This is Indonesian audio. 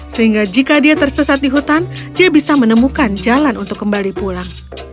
sehingga jika dia tersesat di hutan dia bisa menemukan jalan untuk kembali pulang